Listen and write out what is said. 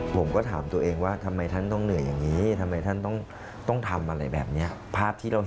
ผมก็ถามตัวเองว่าทำไมท่านต้องเหนื่อยแบบนี้